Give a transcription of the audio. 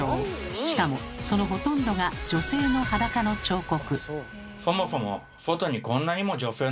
しかもそのほとんどが女性の裸の彫刻。